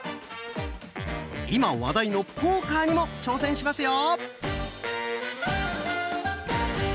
今話題のポーカーにも挑戦しますよ！